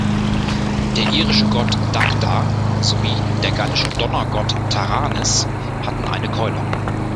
Der irische Gott Dagda sowie der gallische Donnergott Taranis hatten eine Keule.